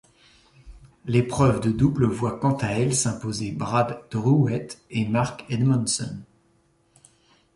L'épreuve de double voit quant à elle s'imposer Brad Drewett et Mark Edmondson.